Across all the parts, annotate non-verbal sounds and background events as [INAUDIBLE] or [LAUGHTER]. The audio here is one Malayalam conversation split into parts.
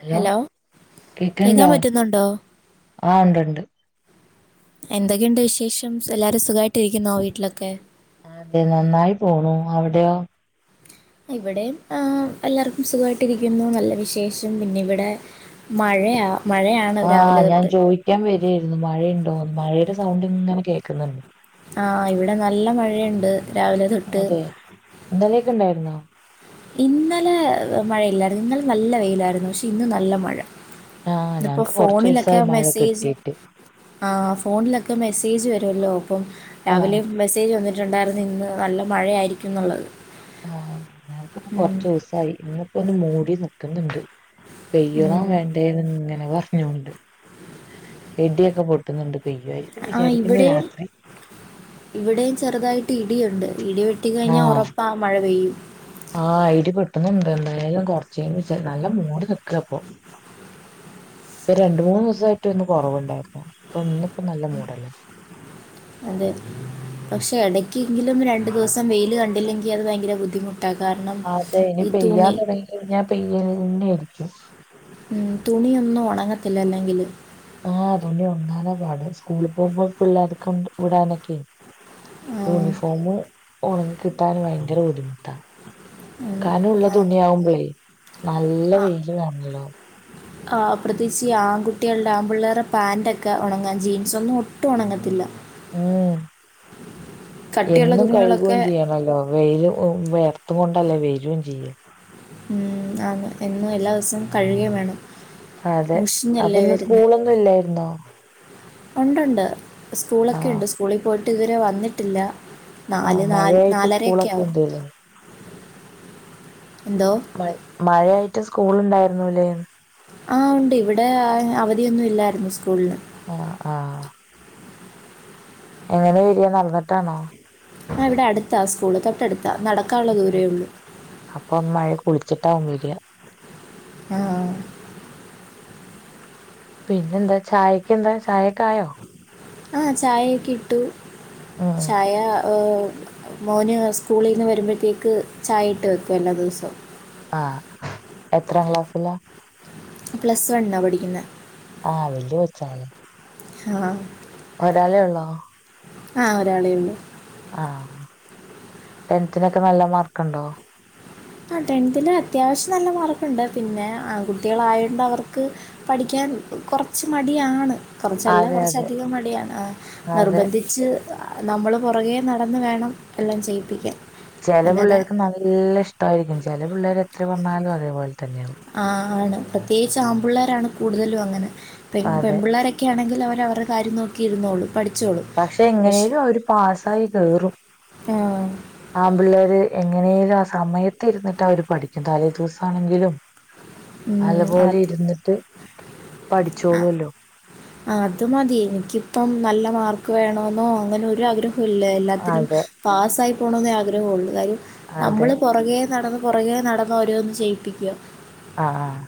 ഹലോ കേൾക്കാൻ കേക്കണ്ടോ പറ്റുന്നുണ്ടോ ആഹ ഉണ്ടണ്ട് എന്തൊക്കെയുണ്ട് വിശേഷം എല്ലാരും സുഖമായിട്ട് ഇരിക്കുന്നോ വീട്ടിലൊക്കെ അതെ നന്നായി പോണു അവിടെയോ ഇവിടെ എല്ലാർക്കും സുഖമായിട്ട്ിരിക്കുന്നു നല്ല വിശേഷം പിന്നെ ഇവിടെ മഴയാ മഴയാണ് ആഹ രാവിലെ ഞാൻ തൊട്ട് ചോദിക്കാൻ വരിായിരുന്നു മഴയുണ്ടോന്ന് മഴയുടെ സൗണ്ട് ഇങ്ങനെ കേക്കുന്നുണ്ട് ആ ഇവിടെ നല്ല മഴയുണ്ട് രാവിലെ തൊട്ട് അതെ ഇന്നലെയൊക്കെ ഉണ്ടായിരുന്നോ ഇന്നലെ മഴയില്ലായിരുന്നു ഇന്നലെ നല്ല വെയിലായിരുന്നു പക്ഷെ ഇന്ന നല്ല മഴ ആ ഇപ്പോൊ ഞങ്ങക്ക് കൊറച്ച് ഫോണിലൊക്കെ ദിവസായി മഴ മെസ്സേജ് കിട്ടിയിട്ട് ആ ഫോണിലൊക്കെ മെസ്സേജ് വരുമല്ലോ അപ്പം ആ രാവിലെ മെസ്സേജ് വന്നിട്ട രണ്ടായിരരുന്നു ഇന്ന് നല്ല മഴയായിരിക്കും എന്നുള്ളത് ആഹ ഞങ്ങക്കിപ്പോ ഉം. കൊറച്ച ദിവസായി ഇന്നിപ്പോ ഒന്ന മൂടി നിക്കുന്നുണ്ട് ഉം. പെയ്യണം വേണ്ടേന്ന് ഇങ്ങനെ പറഞ്ഞുണ്ട് ഇ ടിയൊക്കെ പൊട്ടുന്നുണ്ട് പെയ്യുവായിരിക്കും ആ വിചാരിക്കുന്നു ഇവിടെയും രാത്രി ഇവിടെയും ചെറുതായിട്ട് ഇടിയുണ്ട് ഇടി വെട്ടി ആ കഴിഞ്ഞാ ഉറപ്പാ മഴ പെയ്യും എന്തആയാലും കൊറച്ച ക നല്ല മൂട് നിക്കാൻ ഇപ്പം ഇ രണ്ട മൂന്ന്ു ദിവസമായിട്ട് ഒന്ന് കുറവുണ്ടായിരുന്നു അപ്പൊ അതെ പക്ഷേ ഇടയ്ക്കെങ്കിലും രണ്ട് ദിവസം വെയിൽ കണ്ടില്ലെങ്കിൽ അത് ഭയങ്കര ബുദ്ധിമുട്ട് അതെ ഇനി പെയ്യാൻ തുടങ്ങിഴ ഞ്ഞഞാൻ പെയ്യ തന്നെ ആയിരിക്കും ഉം തുണിയൊന്നും ഉണങ്ങത്തില്ല അല്ലെങ്കില് ആഹ് അതന്നി ഉണങ്ങന പാട സ്കൂളിൽ പോകുമ്പോ പിള്ളേർക്ക വിടാനൊക്കെയ ആ, യൂണിഫോമ ഉണങ്ങി കിട്ടാൻ ഭയങ്കര ബുദ്ധിമുട്ടാണ് അങ്ങനെ. കനള്ള ആ, തുണിയ ആവുമ്പളേ നല്ല വെയില് വേണല്ലോ ആ് പ്രത്യേകിച്ച് ആൺകുട്ടികളുടെ ആകുമ്പള്ളേരെ പാൻറ് ഒക്കെ ഉണങ്ങാൻ ജീൻസ ഒന്നും ഒട്ടും ഉണങ്ങത്തില്ല ഉം കട്ടിയുള്ള എന്നും കഴുകുകയും തുണികളൊക്കെ ചെയ്യണല്ലോ വെയിലും വേയർത്തു കൊണ്ടല്ലേ വരയും ചെയ്യ ഉം ആ എന്നും എല്ലാ ദിവസവും കഴുകയും വേണം അതെ അപ്പൊ മുഷിഞ്ഞല്ലേ ഇന്ന് വരുന്ന സ്കൂളൊന്നും ഇല്ലായിരുന്നോ ഉണ്ടണ്ട് സ്കൂളൊക്കെ ആഹ് ഉണ്ട് സ്കൂളിൽ പോയിട്ട് ഇത് വരെ വന്നിട്ടില്ല ആഹ് നാല് നാല് മഴയായിട്ട് നാലരൊക്കെ സ്കൂളൊക്കെ ആവുംും ഉണ്ടല്ലേ മ മഴയായിട്ട് സ്കൂള ഉണ്ടായിരുന്നുല്ലേ ആഹ ഉണ്ട് ഇവിടെ അവധിയൊന്നും ഇല്ലായിരുന്നു സ്കൂളിന് ആഹ ആഹ് എങ്ങനെ വരിയാ നടന്നുട്ടാണോ ആ ഇവിടെ അടുത്താ സ്കൂള് തൊട്ടടുത്താ നടക്കാനുള്ള ദൂരേ ഉള്ളു ചട്ടാ ഉമരിിയ ആ പിന്നെന്താ ചായക്ക് എന്താ ചായക്ക ആായോ ആഹ ചായയൊക്കെ ഇട്ടു ഉം ചായ മോന് സ്കൂളിൽന്ന് വരുമ്പോഴത്തേക്ക് ചായ ഇട്ട് വയ്ക്കും എല്ലാ ദിവസവും ആഹ എത്ര ക്ലാസ്സില പ്ലസ് വൺ എന്നാ പഠിക്കുന്നത് ആഹ് വല്ിയ കൊ ച്ചല്ലേ ആഹ ഒരാളെ ഉള്ളോ ആഹ ഒരാളെയൊള്ളു ആഹ ടെൻത്തിനൊക്കെ നല്ല മാർക്ക്ുണ്ടോ ആ ടെൻത്ത്ൽ അത്യാവ്ശ്യം നല്ല മാർക്ക്ണ്ട് പിന്നെ ആൺ കുട്ടിയാളായോണ്ട് അവർക്ക് പഠിക്ക കൊർച്ച് മടിയാണ് കൊർച്ചല്ല അതെ അതെ കൊർച്ചധികം അഹ് അതെ നിർബന്ധിച്ച്. ഹ് അ നമ്മൾ പൊറകെ നടന്ന് വേണം എല്ലാം ചെയ്യിപ്പിക്കാൻ. ചെലെ അല്ലാതെ പിള്ളേർക്ക് നല്ല ഇഷ്ട്ടായിരിക്കും ചെല പിള്ളേർര് എത്ര പറഞ്ഞാലും അതേപോൽ തന്നെ. ആഹ് ആണ് പ്രത്യേയ്ച്ച് ആമ്പുള്ളേരാണ് കൂട്തലും അങ്ങനെ പെൺ അതെ പെൺമ്പുള്ളേരൊക്കെണെങ്കി അവ അവര്ടെ കാര്യം നോക്കിയിരുന്നോളും പടി പക്ഷെ എങ്ങനെലും അവര് പാസ്സായി കേറും ആ, ആൺപിള്ളേര്. എങ്ങനേലും ആ സമയത്ത് ഇരുന്നിട്ട് അവര് പഠിക്കും തലേ ദിവസം ആണെങ്കിലും. അലപോലെ ഇര്ന്നിട്ട്. അഹ് അത് മതി എനിക്കിപ്പം നല്ല മാർ ക്ക് വേണോന്നോ അങ്ങനെ ഒരു ആഗ്രഹുല്ല എല്ലാത്തിനും അതെ പാസ്സായി പോണോന്നേ ആഗ്രഹ ഒള്ളു കാര്യം. അതെ നമ്മള് പൊറകെ നടന്ന് പൊറകേ നടന്ന് ഓരോന്ന് ചെയ്യിപ്പിക്ക്യ. ആഹ് ആഹ്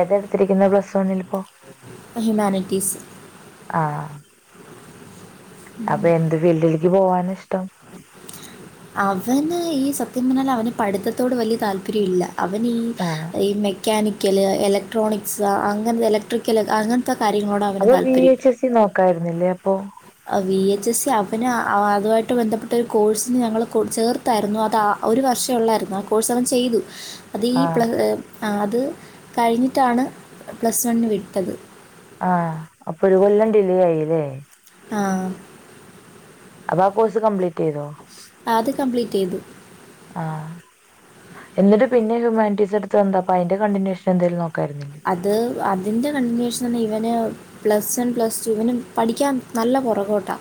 ഏതാട്ത്തിരിക്ക്ന്നെ പ്ലസ് വണിലിപ്പൊ. ഹ്യുമാനിറ്റീസ്. ആഹ് അപ്പൊ എന്ത് ഫീൽഡിൽക്ക് പോവാനാ ഇഷ്ട്ടം? അവന് ഈ സത്യം പറഞ്ഞാൽ അവന് പഠിത്തത്തോട് വല്യ താല്പര്യ ഇല്ല. അവനീ ആഹ് ഈ മെക്കാനിക്ക്ല്, എലക്ട്രോണിക്സ് അങ്ങനെ എലക്ട്രിക്കല് അങ്ങൻത്തെ കാര്യങ്ങളോടാ അവന് അപ്പൊ വി താല്പര്യം. എച്ച് എസ് സി നോക്കായിരുന്നില്ലേ അപ്പൊ അഹ് വി എച്ച് എസ് സി അവന് അഹ് അഹ് അതുമായിട്ട് ബന്ധപ്പെട്ട ഒരു കോഴ്സിന് ഞങ്ങള് കൊ ചേർത്തായിരുന്നു അത് ആഹ് ഒരു വർഷേ ഒള്ളായിരുന്നു ആഹ് കോഴ്സ് അവൻ ചെയ്തു. അത് ഈ പ്ല ആഹ് ഹ് അ അത് കഴിഞ്ഞിട്ടാണ് പ്ലസ് വണ്ണിന് വിട്ടത്. ആഹ് അപ്പൊ ഒരു കൊല്ലം ഡിലേ ആയില്ലേ. ആഹ്. അപ്പൊ ആഹ് കോഴ്സ് കംപ്ലീറ്റെയ്തോ? ആഹ് അത് കംപ്ലീറ്റെയ്തു. ആഹ് എന്നിട്ട് പിന്നെ ഹ്യൂമാനിറ്റീസ് എടുത്തന്ന് അപ്പ അയ്ന്റെ കണ്ടുന്യേഷൻ എന്തെലും അത് അതിന്റെ കണ്ടുന്യേഷനൊന്നും ഇവന്. പ്ലസ് വൺ പ്ലസ് ടുവിന് പഠിക്കാൻ നല്ല പൊറകോട്ടാ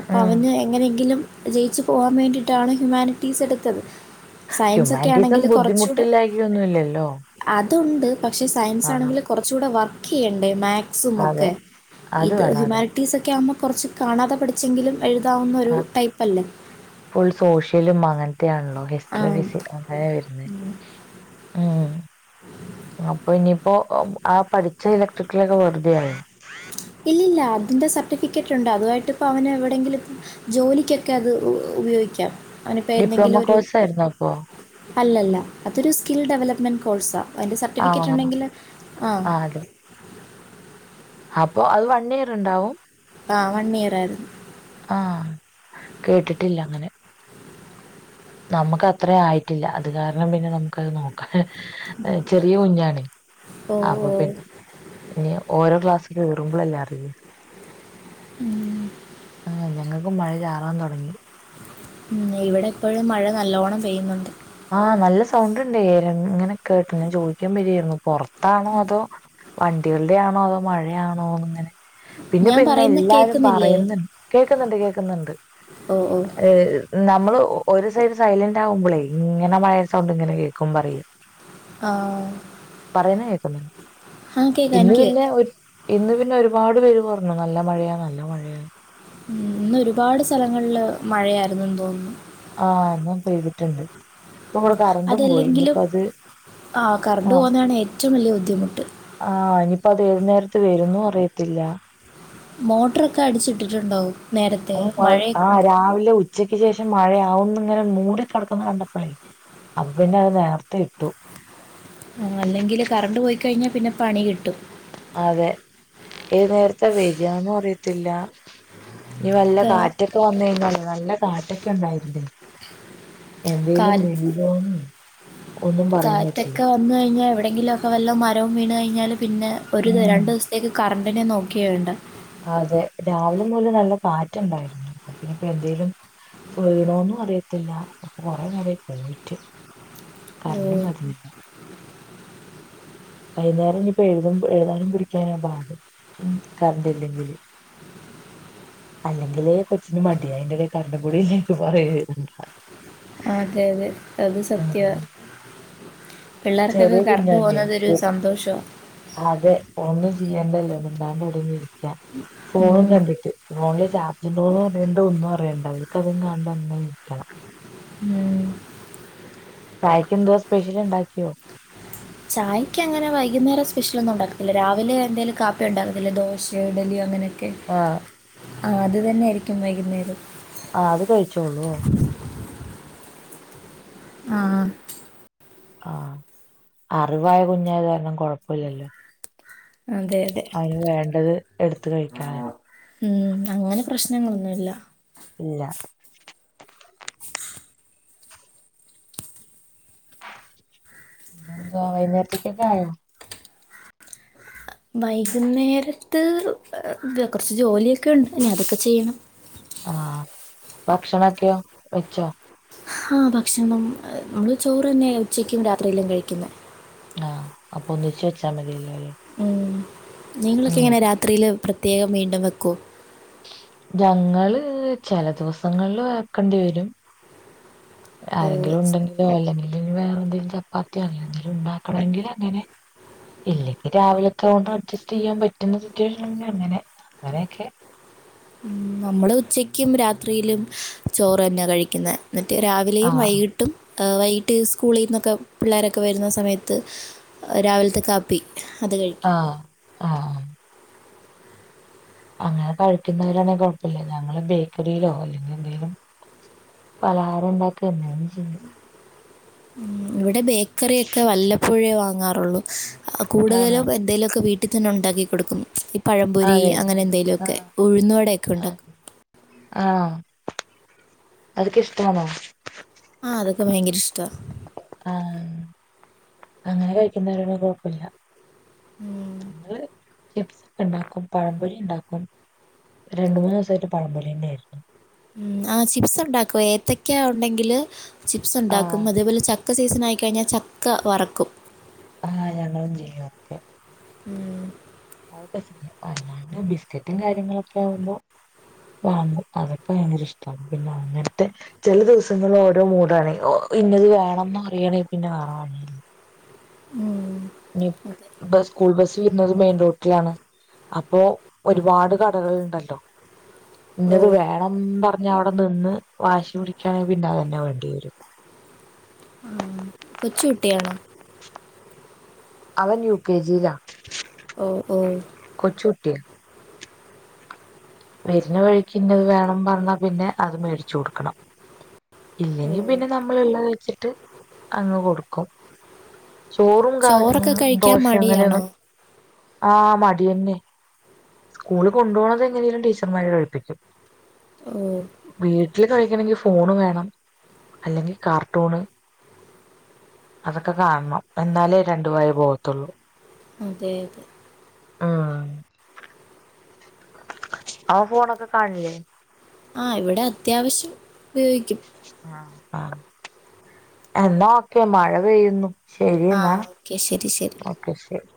അപ്പോ ഉം അവന് എങ്ങനെങ്കിലും. ജയിച്ച് പോവാൻ വേണ്ടിട്ടാണ് ഹ്യുമാനിറ്റീസ് എടുത്തത്. സയൻസൊക്കെ ഹ്യൂമാനിറ്റീസും ആണെങ്കിൽ കുറച്ചുകൂടെ ബുദ്ധിമുട്ടില്ലായികയൊന്നുല്ലല്ലോ. അതുണ്ട് പക്ഷേ സയൻസ് ആണെങ്കിൽ കൊറച്ചൂടെ വർക്കയ്യെണ്ടേ മാത് സും അതെ. ഒക്കെ അത് ഇത് വേണം അതെ. ഹ്യുമാനിറ്റീസൊക്കെ ആവുമ്പോ കൊറച്ച് കാണാതെ പഠിച്ചെങ്കിലും. എഴ്താവുന്ന ഒരു ആ ടൈപ്പല്ല. ത്യാണല്ലോ ഹിസ്ട്ട്റി ഫിസി അങ്ങനെ വര്ന്നെ ഉം. അപ്പൊ ഇനിയിപ്പൊ ഹ് ആ പഠിച്ച ഇലക്ട്രിക്കലൊക്കെ വെറുതെയാ. ഇല്ലില്ല അതിന്റെ സർട്ടിഫിക്കറ്റ്ണ്ട് അതുവായിട്ട് ഇപ്പോ അവന് എവിടെങ്കിലും ജോലിക്കൊക്കെ അത് ഉഹ് ഉപയോഗിക്കാം. അവനിപ്പോൾ ഡിപ്ലോമ എന്തെങ്കിലും ഒരു കോഴ്സാര്ന്നോ അപ്പോ. അല്ലല്ല അതൊരു സ്കിൽ ഡെവലപ്മെന്റ് കോഴ്സാ, അയിൻ്റെ ആ സർട്ടിഫിക്കറ്റ് ഉണ്ടെങ്കില് ആഹ് ആ അതെ. അപ്പൊ അത് വൺ ഇയർ ഇണ്ടാവും. ആഹ് വൺ ഇയർ ആയിരുന്നു. ആഹ് കേട്ടിട്ടില്ല അങ്ങനെ. നമ്മക്കത്ര ആയിട്ടില്ല, അത് കാരണം പിന്നെ നമുക്ക് അത് നോക്കാന് ഹ് ചെറിയ കുഞ്ഞാണ് ഓ അപ്പൊ ഓ പി ന്നെ ഓരോ ക്ലാസ് കേറുമ്പോളല്ലെ അറിയ. മ് ഞങ്ങക്കും മഴ ചാറാൻ തൊടങ്ങി. മ് ഇവിടെപ്പഴും മഴ നല്ലോണം പെയ്യുന്നുണ്ട്. ആഹ് നല്ല സൗണ്ട് ഇണ്ടേര് ഇങ്ങനെ കേക്ക്ന്ന് ചോയ്ക്കാൻ വരേര്ന്നു പൊർ അതാണോ അതോ വണ്ടികളുടെ ആണോ അതോ മഴയാണോ അങ്ങനെ പിന്നെ ഞാൻ പിന്നെ പറയുന്ന എല്ലാരും കേൾക്കുന്നില്ലേ പറയുന്നുണ്ട് കേക്കുന്നുണ്ട് കേക്കുന്നുണ്ട് ഓ ഓ ഏ നമ്മള് ഒരു സൈഡ് സൈലന്റ് ആകുമ്പോളേ ഇങ്ങനെ മഴയ സൗണ്ട് ഇങ്ങനെ കേൾക്കും പറയുക ആ പറയുന്ന കേക്കുന്ന് ആ കേൾക്കാം ഇന്ന് എനിക്ക് പിന്നെ കേൾക്കാം ഒരു ഇന്ന് പിന്നെ ഒരുപാട് പേര് പറഞ്ഞു നല്ല മഴയാാണ് നല്ല മഴയാാണ് ഉ ഇന്ന് ഒരുപാട് സ്ഥലങ്ങളിൽ മഴയായിരുന്നു തോന്നുന്നു ആഹ ഇന്നും പൈതിട്ടുണ്ട് ഇപ്പൊ ഇവിടെ കറന്റ്‌ ഉം പോയി ഇനിയിപ്പോ അത് ആഹ് കറണ്ട് ആഹ് പോകുന്നതാണ് ഏറ്റവും വലിയ ബുദ്ധിമുട്ട് ആഹ് ഇനിയിപ്പോ ഏത് നേരത്ത് വരുന്നു അറിയത്തില്ല മോട്ടറൊക്കെ അടിച്ചിട്ടിട്ടുണ്ടാവും ഉ ആ രാവിലെ ഉച്ചക്ക് ശേഷം മഴയാവുന്നു അങ്ങനെ മൂടിക്കിടക്കുന്ന കണ്ടപ്പളെ അന്നെ അത് നേരത്തെ ആ അല്ലെങ്കിൽ കറണ്ട് പോയിക്കഴിഞ്ഞാൽ പിന്നെ പണി കിട്ടും അതെ ഇല്ല ഞ്ഞി വല്ല ഇത് കാറ്റൊക്കെ വന്ന് കഴിഞ്ഞാ നല്ല കാറ്റൊക്കെ ഉണ്ടായിരുന്നേ കാ എന്തേലും വീണിനൊന്ന് ഒന്നും പറയാൻ പറ്റില്ല എന്തോങ്കിലുമൊക്കെ വല്ലം മരവും വീണ് കഴിഞ്ഞാല് പിന്നെ ഒരു ഉം രണ്ടു ദിവസത്തേക്ക് കറണ്ടിനെ നോക്കെ വേണ്ട അതെ രാവിലെ മൂല നല്ല കാറ്റുണ്ടായിരുന്നു പിന്നെ ഇപ്പ എന്തെേലും വീണോന്നും അറിയത്തില്ല അപ്പൊ കൊറെ നേരായി പോയിട്ട് ഓ കരണ്ടും വരുന്നില്ല വൈകുന്നേരം ഇനി ഇപ്പോ എഴുത എഴതാനും പിടിക്കാനാ പാട് ഉ കറണ്ടില്ലെങ്കിൽ അല്ലെങ്കിലെ കൊച്ചിന് മടിയ അയ്ന്റെ എടേ കരണ്ടുകുടിലെൽ പറയണ്ട അതെ അതെ അത് സത്യ ഉം ചെറിയ കുഞ്ഞാലി ഇ അതെ ഒന്നും ചെയ്യേണ്ട [UNINTELLIGIBLE] ഫോണും ഉം, കണ്ടിട്ട് ഫോണിൽ ചാർജ്ണ്ടോ ണ്ടോ ഒന്നും അറിയണ്ട അവർക്ക് അതും കണ്ട് അങ്ങനെ ഇരിക്കണം മ ചായക്കെന്തുവാ സ്പെഷ്യൽ ണ്ടാ ചായക്ക് അങ്ങനെ വൈകുന്നേരം സ്പെഷ്യൽ ഒന്നും ഉണ്ടാക്ക ഇല്ല രാവിലെ എന്തെങ്കലും കാപ്പി ഉണ്ടകത്തില്ലേ ദോശ ഇഡലി അങ്ങനെ ആഹ ആ അത് തന്നൊയിയിരിക്കും വൈകുന്നേരം ആ അത് കഴിച്ചോള്ളൂ ആഹ് ആഹ് അറിവായ കുഞ്ഞായ കാരണം കുഴപ്പോല്ലല്ലോ അതെ അതെ എടുത്ത് കഴിക്കാലോ ഉം അങ്ങനെ പ്രശ്നങ്ങളൊന്നുമില്ല ഇല്ല [INAUDIBLE] വൈകുന്നേരത്തേക്കൊക്കെ ആയോ വൈകുന്നേരത്ത് കുറച്ച് ജോലിയൊക്കെ ഉണ്ട് ഇനി അതൊക്കെ ചെയ്യണം ആഹ ഭക്ഷണൊക്കെയോ വെച്ചോ ആഹ് ഭക്ഷണം നമ്മള് ചോറ് തന്നെ ഉച്ചക്കും രാത്രിയെല്ലാം കഴിക്കുന്നെ ആഹ് അപ്പൊ ഒന്നിച്ചച്ച് വെച്ചാൽ മതില്ല ഉം നിങ്ങളൊക്കെ എങ്ങനെ രാത്രിയില് പ്രത്യേകം വീണ്ടും വെക്കോ ഞങ്ങള്ങ്ങൾ ചില ദിവസങ്ങളിൽ വക്കേണ്ടി വരും ആരെങ്കിലും ഓ ഉണ്ടെങ്കിലോ അല്ലെങ്കി വേറെ എന്തെേിലും ചപ്പാത്തി എന്തെിലും ഉണ്ടാക്കണമെങ്കിൽ അങ്ങനെ ഇല്ലെങ്കിൽ രാവിലത്തെ കൊണ്ട് അഡ്ജസ്റ്റ് ചെയ്യാൻ പറ്റുന്ന സിറ്റുവേഷൻ ഉണ്ടങ്കിൽഅങ്ങനെ. അങ്ങനെയൊക്കെ ഉംനമ്മള് ഉച്ചക്കും രാത്രിയിലും ചോറ് തന്നെയാ കഴിക്കുന്നത്. എന്നിട്ട് രാവിലെയും ആഹ് വൈകിട്ടും വൈകിട്ട് സ്കൂളിൽ നിന്നൊക്കെ പിള്ളേരൊക്കെ വരുന്ന സമയത്ത് രാവിലത്തെ കാപ്പി അത് ആ കഴിക്കും ആ അങ്ങനെ കഴിക്കുന്നവരാണെ കുഴപ്പില്ല. ഞങ്ങള് ബേക്കറിയിലോ അല്ലെങ്കിൽ എന്തെങ്കിലും പലഹാരം ഉണ്ടാക്കോ എന്തേലും ചെയ്യും. ഉം ഇവിടെ ബേക്കറി ഒക്കെ വല്ലപ്പോഴുവേ വാങ്ങാറുള്ളു. കൂടുതലോ ആണോ എന്തേങ്കലു ഒക്കെ വീട്ടിൽ തന്നെ ഉണ്ടാക്കി കൊടുക്കും. പഴംപൊരി അതെ അങ്ങനെ എന്തേലുമൊക്കെ. ആഹ് ഉഴുന്നുവടയൊക്കെ ഉണ്ടാക്കും. അത് ഒക്കെ ഇഷ്ടമാണോ? ആ അതൊക്കെ ഭയങ്കര ഇഷ്ടാ. ആ അങ്ങനെ കഴിക്കുന്നവരൊന്നും കുഴപ്പില്ല. ഞങ്ങള് ചിപ്സ് ഒക്കെ ഉണ്ടാക്കും. പഴംപൊരി ഉണ്ടാക്കും. രണ്ടു മൂന്ന് ദിവസായിട്ട് പഴംപൊരി തന്നെ ആയിരുന്നു. ഉം. ആ ചിപ്സ് ഉണ്ടാക്കും. ഏത്തക്ക ഉണ്ടെങ്കില് ചിപ്സ് ആഹ് ഉണ്ടാക്കും. അതേപോലെ ച ചക്ക സീസൺ ആയി കഴിഞ്ഞാൽ ചക്ക വറക്കും. ആ ഞങ്ങളും ചെയ്യും ഒക്കെ ഉം [UNINTELLIGIBLE] ബിസ്ക്കറ്റും കാര്യങ്ങളൊക്കെ ആവുമ്പോ വാങ്ങും. അതൊക്കെ ഭയങ്കര ഇഷ്ടമാണ്. പിന്നെ അങ്ങനത്തെ ചില ദിവസങ്ങൾ ഓരോ മൂടാണെ ഇന്നത് വേണംന്ന് പറയണെങ്കിൽ പിന്നെ [UNINTELLIGIBLE] ഉം അതെ. ബ സ്കൂൾ ബസില് കുന്നത് മെയിൻ റോട്ടിലാണ്. അപ്പോ ഒരുപാട് കടകൾ ഉണ്ടല്ലോ? ഓ ഇന്നത് വേണം എന്ന് പറ അവിടെ നിന്ന് വാശി പിടിക്കയാണെങ്കില് പിന്നെ തന്നെ വേണ്ടി വരും. ആ കൊച്ചുകുട്ടിയാണോ? അവൻ യു കെ ജി യിലാ. ഓ ഓ കൊച്ചുകുട്ടിയാ വരുന്ന വഴിക്ക് ഇന്നത് വേണം പറഞ്ഞാ പിന്നെ അത് മേടിച്ചു കൊടുക്കണം. ഓ ഇല്ലെങ്കി പിന്നെ നമ്മൾ ഉള്ളത് വെച്ചിട്ട് അങ്ങ് കൊടുക്കും. ചോറും കാർ ചോറൊക്കെ കഴിക്കാൻ ദോശ മടിയാണോ അങ്ങനെയൊന്നും ആ മടി തന്നെ സ്കൂള് കൊണ്ടുപോണത് എങ്ങനെലും ടീച്ചർമാര്കഴിപ്പിക്കും. ഓ വീട്ടില് കഴിക്കണെങ്കിൽ ഫോൺ വേണം അല്ലെങ്കിൽ കാർട്ടൂൺ. അതൊക്കെ കാണണം. എന്നാലേ രണ്ടുവായ പോകത്തുള്ളൂ. അതെ അതെ ആ അവൻഫോണൊക്കെ കാണില്ലേ? ആ ഇവിടെ അത്യാവശ്യം ഉപയോഗിക്കും. ആ ആ എന്നാ ഓക്കെ മഴ പെയ്യുന്നു. ശരി ആ എന്നാ ഓക്കെ ശരി ശരി ഓക്കെ ശരി